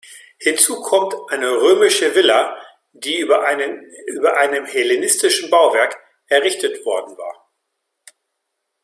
Hinzu kommt eine römische Villa, die über einem hellenistischen Bauwerk errichtet worden war.